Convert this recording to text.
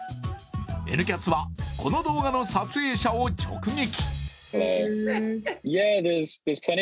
「Ｎキャス」はこの動画の撮影者を直撃。